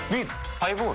ハイボール？